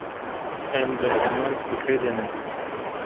Em di heman fikrê de ne.